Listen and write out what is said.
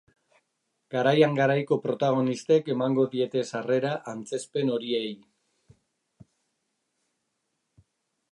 Garaian garaiko protagonistek emango diete sarrera antzezpen horiei.